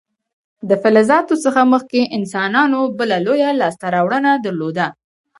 د فلزاتو څخه مخکې انسانانو بله لویه لاسته راوړنه درلوده.